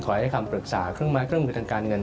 ขอให้คำปรึกษาเครื่องมือทางการเงิน